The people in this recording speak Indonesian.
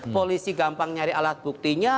polisi gampang nyari alat buktinya